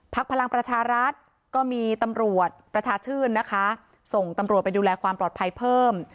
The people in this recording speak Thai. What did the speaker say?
พลังประชารัฐก็มีตำรวจประชาชื่นนะคะส่งตำรวจไปดูแลความปลอดภัยเพิ่ม